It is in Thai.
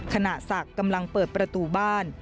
ศักดิ์กำลังเปิดประตูบ้าน